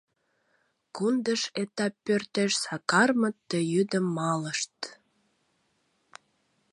Кундыш этап пӧртеш Сакармыт ты йӱдым малышт.